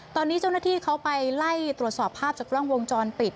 ตอนนี้เจ้าหน้าที่เขาไปไล่ตรวจสอบภาพจากกล้องวงจรปิด